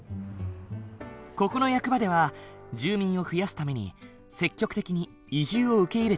ここの役場では住民を増やすために積極的に移住を受け入れている。